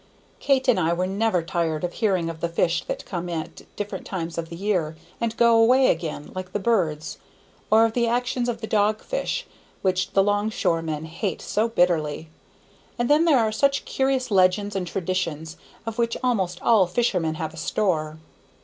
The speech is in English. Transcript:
Kate and I were never tired of hearing of the fish that come at different times of the year, and go away again, like the birds; or of the actions of the dog fish, which the 'longshore men hate so bitterly; and then there are such curious legends and traditions, of which almost all fishermen have a store.